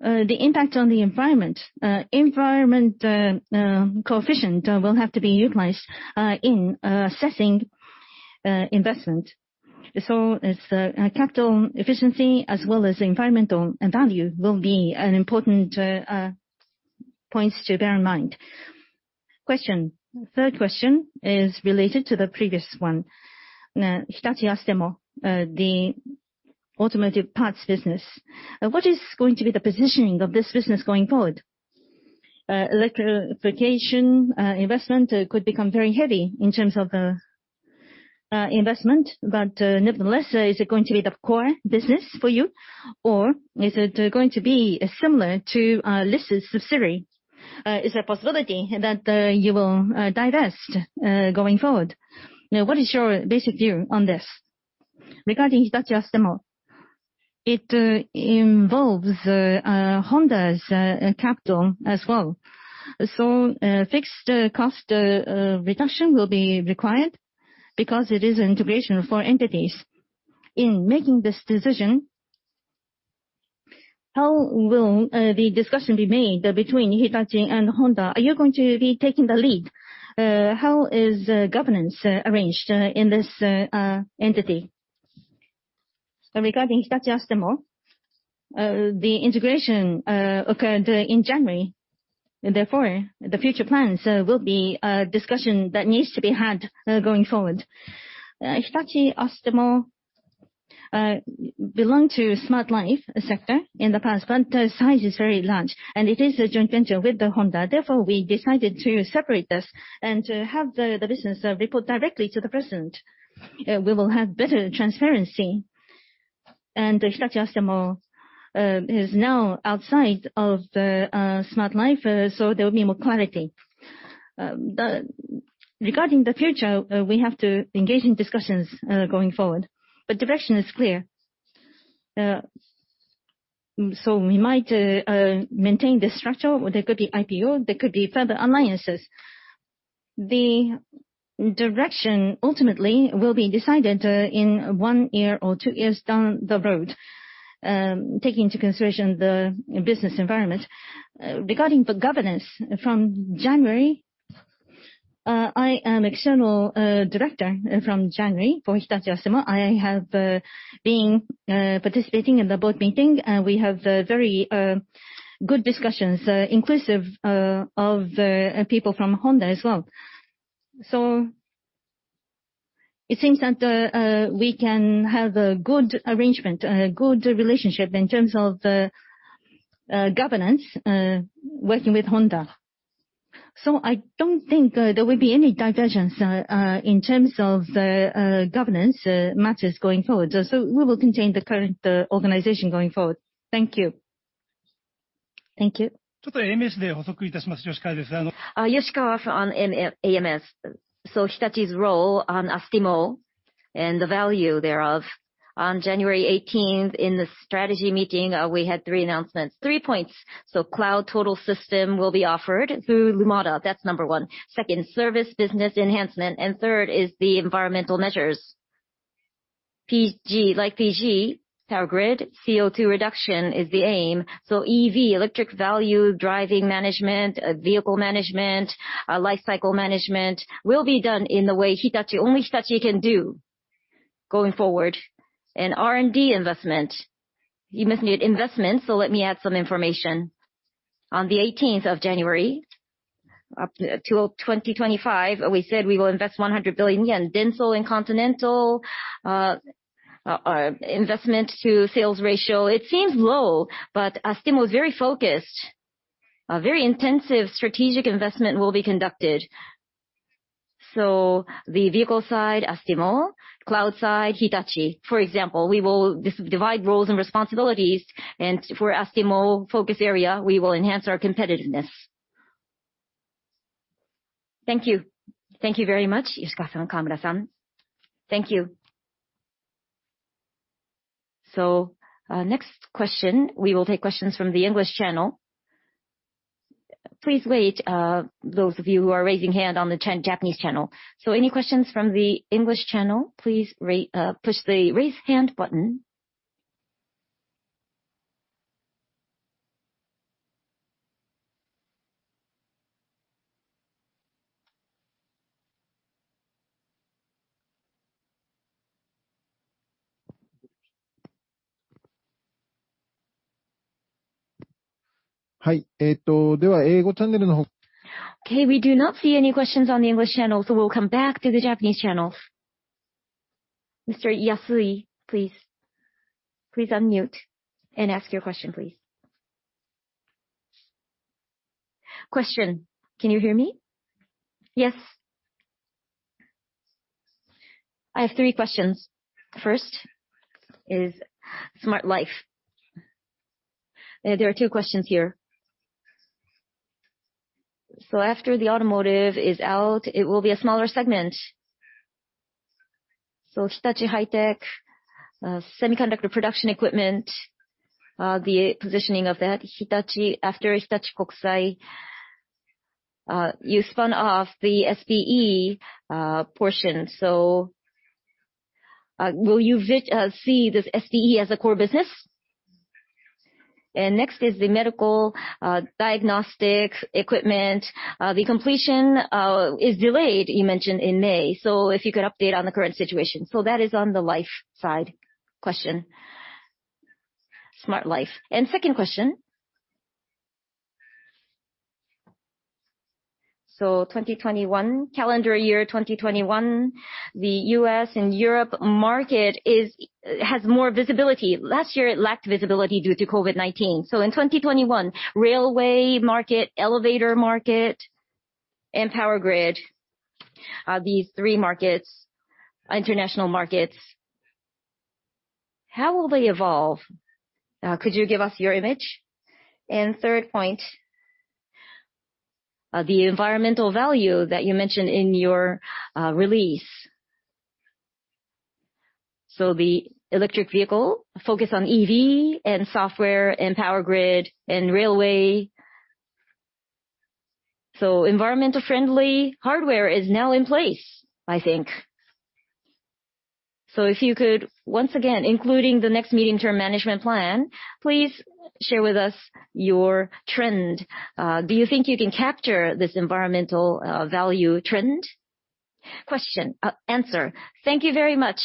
the impact on the environment coefficient will have to be utilized in assessing investment. It's capital efficiency as well as environmental value will be an important point to bear in mind. Question. Third question is related to the previous one. Hitachi Astemo, the automotive parts business. What is going to be the positioning of this business going forward? Electrification investment could become very heavy in terms of investment. Nevertheless, is it going to be the core business for you, or is it going to be similar to a listed subsidiary? Is there a possibility that you will divest going forward? What is your basic view on this? Regarding Hitachi Astemo, it involves Honda's capital as well. Fixed cost reduction will be required because it is an integration of four entities. In making this decision, how will the discussion be made between Hitachi and Honda? Are you going to be taking the lead? How is governance arranged in this entity? Regarding Hitachi Astemo, the integration occurred in January. The future plans will be a discussion that needs to be had going forward. Hitachi Astemo belonged to Smart Life sector in the past, but the size is very large, and it is a joint venture with Honda. Therefore, we decided to separate this and have the business report directly to the president. We will have better transparency. Hitachi Astemo is now outside of the Smart Life, so there will be more clarity. Regarding the future, we have to engage in discussions going forward, but direction is clear. We might maintain this structure, or there could be IPO, there could be further alliances. The direction ultimately will be decided in one year or two years down the road, taking into consideration the business environment. Regarding the governance, from January, I am external director from January for Hitachi Astemo. I have been participating in the board meeting, and we have very good discussions, inclusive of people from Honda as well. It seems that we can have a good arrangement, a good relationship in terms of the governance, working with Honda. I don't think there will be any divergence in terms of the governance matters going forward. We will maintain the current organization going forward. Thank you. Thank you. Yoshikawa on AMS. Hitachi's role on Astemo and the value thereof. On January 18th, in the strategy meeting, we had three announcements, three points. Cloud Total System will be offered through Lumada, that's number one. Second, service business enhancement, and third is the environmental measures. Like PG, Power Grids, CO2 reduction is the aim. EV, electric value, driving management, vehicle management, life cycle management, will be done in the way only Hitachi can do going forward. R&D investment. You missed investment, so let me add some information. On the 18th of January, up till 2025, we said we will invest 100 billion yen. DENSO and Continental investment to sales ratio, it seems low, but Astemo is very focused. A very intensive strategic investment will be conducted. The vehicle side, Astemo, cloud side, Hitachi. For example, we will divide roles and responsibilities, and for Astemo focus area, we will enhance our competitiveness. Thank you. Thank you very much, Yasukawa-san, Kameda-san. Thank you. Next question, we will take questions from the English channel. Please wait, those of you who are raising hand on the Japanese channel. Any questions from the English channel, please push the raise hand button. Hi. We do not see any questions on the English channel, so we'll come back to the Japanese channels. Mr. Yasui-san, please. Please unmute and ask your question, please. Question. Can you hear me? Yes. I have three questions. First is Smart Life. There are two questions here. After the automotive is out, it will be a smaller segment. Hitachi High-Tech, semiconductor production equipment, the positioning of that Hitachi after Hitachi Kokusai Electric, you spun off the SPE portion. Will you see this SPE as a core business? Next is the medical diagnostics equipment. The completion is delayed, you mentioned in May. If you could update on the current situation. That is on the life side question. Smart Life. Second question. Calendar year 2021, the U.S. and Europe market has more visibility. Last year, it lacked visibility due to COVID-19. In 2021, railway market, elevator market, and power grid, these three international markets, how will they evolve? Could you give us your image? Third point, the environmental value that you mentioned in your release. The electric vehicle, focus on EV and software and power grid and railway. Environmental friendly hardware is now in place, I think. If you could, once again, including the next meeting term management plan, please share with us your trend. Do you think you can capture this environmental value trend? Thank you very much.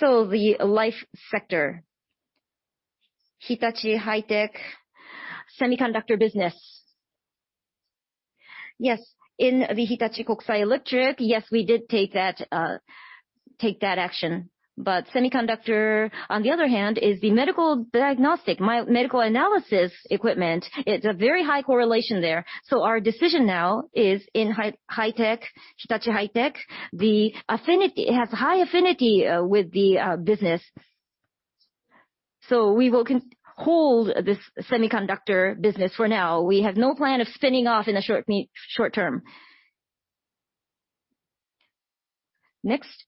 The Smart Life, Hitachi High-Tech semiconductor business. Yes. In the Hitachi Kokusai Electric, yes, we did take that action. Semiconductor, on the other hand, is the medical diagnostic, medical analysis equipment. It is a very high correlation there. Our decision now is in Hitachi High-Tech. It has high affinity with the business. We will hold this semiconductor business for now. We have no plan of spinning off in the short term. Next,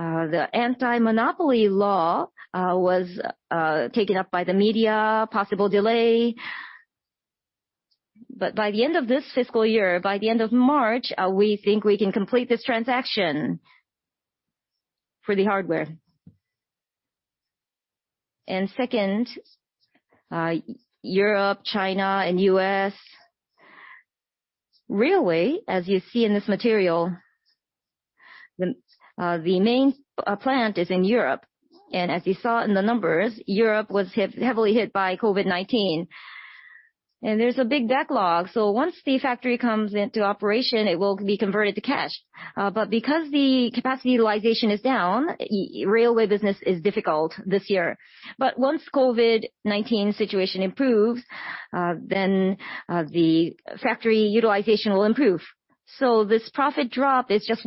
the anti-monopoly law was taken up by the media, possible delay. By the end of this fiscal year, by the end of March, we think we can complete this transaction for the hardware. Second, Europe, China, and U.S. railway, as you see in this material, the main plant is in Europe. As you saw in the numbers, Europe was heavily hit by COVID-19. There's a big backlog. Once the factory comes into operation, it will be converted to cash. Because the capacity utilization is down, railway business is difficult this year. Once COVID-19 situation improves, the factory utilization will improve. This profit drop is just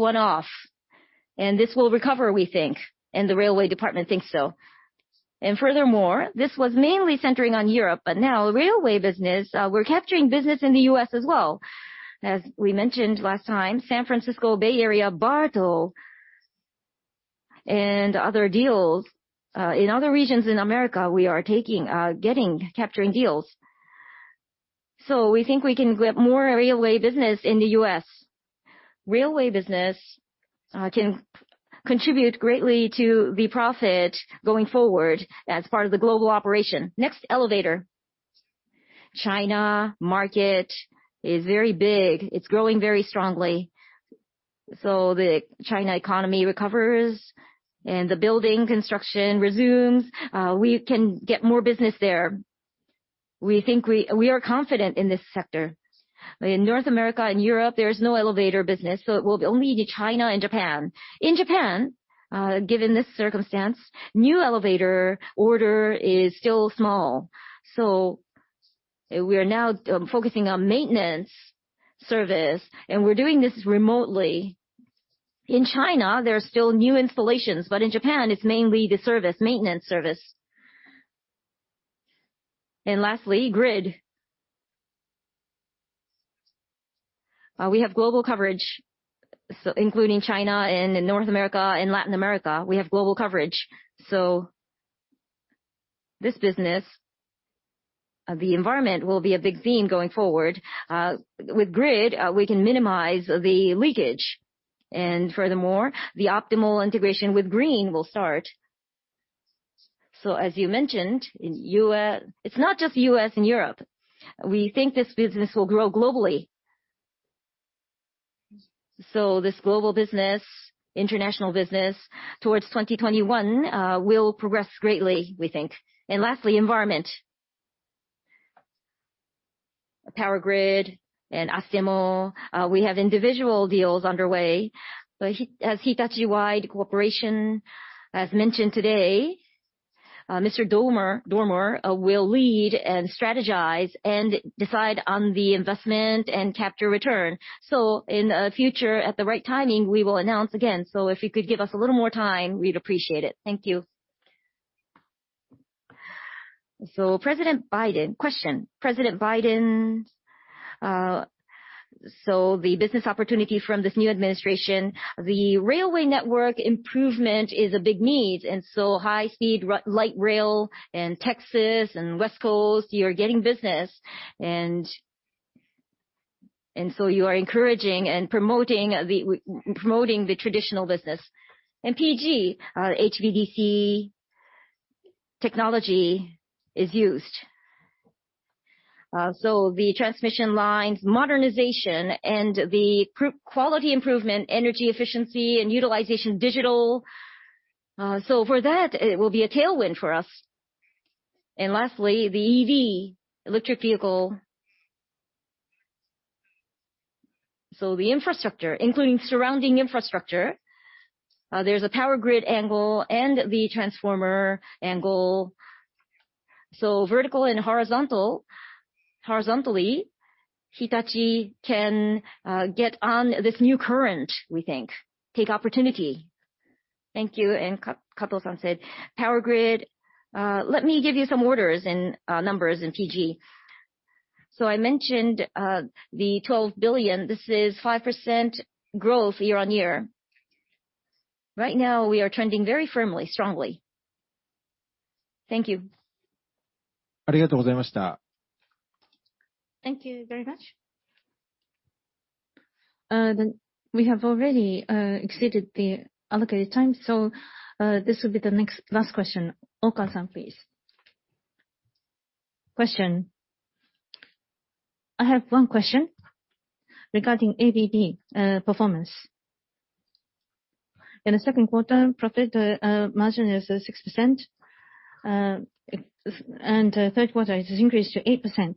one-off. This will recover, we think, and the railway department thinks so. Furthermore, this was mainly centering on Europe, but now railway business, we're capturing business in the U.S. as well. As we mentioned last time, San Francisco Bay Area BART and other deals. In other regions in America, we are capturing deals. We think we can get more railway business in the U.S. Railway business can contribute greatly to the profit going forward as part of the global operation. Next, elevator. China market is very big. It's growing very strongly. The China economy recovers, and the building construction resumes. We can get more business there. We are confident in this sector. In North America and Europe, there is no elevator business, so it will be only China and Japan. In Japan, given this circumstance, new elevator order is still small. We are now focusing on maintenance service, and we're doing this remotely. In China, there are still new installations, but in Japan, it's mainly the maintenance service. Lastly, grid. We have global coverage, including China, North America, and Latin America. We have global coverage. This business, the environment will be a big theme going forward. With grid, we can minimize the leakage, and furthermore, the optimal integration with green will start. As you mentioned, it's not just U.S. and Europe. We think this business will grow globally. This global business, international business, towards 2021, will progress greatly, we think. Lastly, environment. Power Grids and Astemo, we have individual deals underway. As Hitachi-wide cooperation, as mentioned today, Mr. Dormer will lead and strategize and decide on the investment and capture return. In the future, at the right timing, we will announce again. If you could give us a little more time, we'd appreciate it. Thank you. Question, President Biden. The business opportunity from this new administration, the railway network improvement is a big need, high-speed light rail in Texas and West Coast, you're getting business, you are encouraging and promoting the traditional business. In PG, HVDC technology is used. The transmission lines modernization and the quality improvement, energy efficiency, and utilization digital. For that, it will be a tailwind for us. Lastly, the EV, electric vehicle. The infrastructure, including surrounding infrastructure, there's a Power Grid angle and the transformer angle. Vertical and horizontally, Hitachi can get on this new current, we think. Take opportunity. Thank you. Kato-san said, Power Grid, let me give you some orders and numbers in PG. I mentioned the 12 billion. This is 5% growth year-on-year. Right now, we are trending very firmly, strongly. Thank you. Thank you very much. Thank you very much. We have already exceeded the allocated time, so this will be the last question. Ono-san, please. Question. I have one question regarding ABB performance. In the second quarter, profit margin is 6%, and third quarter, it has increased to 8%,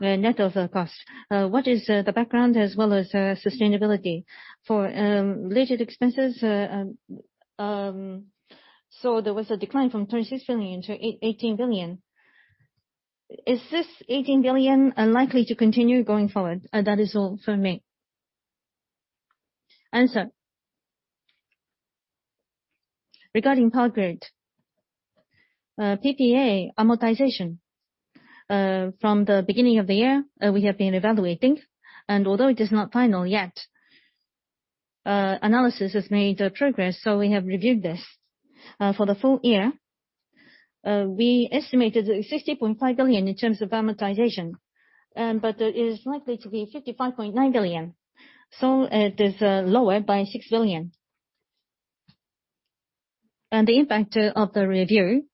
net of cost. What is the background as well as sustainability for related expenses? There was a decline from 36 billion to 18 billion. Is this 18 billion unlikely to continue going forward? That is all for me. Answer. Regarding Power Grids, PPA amortization. From the beginning of the year, we have been evaluating, and although it is not final yet, analysis has made progress, so we have reviewed this. For the full year, we estimated 60.5 billion in terms of amortization, but it is likely to be 55.9 billion. It is lower by 6 billion. The impact of the review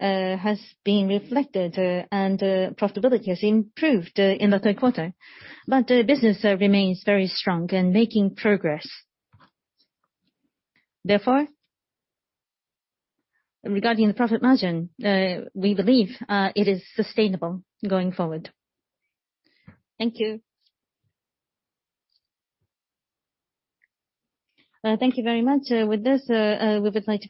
has been reflected and profitability has improved in the third quarter. The business remains very strong and making progress. Therefore, regarding the profit margin, we believe it is sustainable going forward. Thank you. Thank you very much.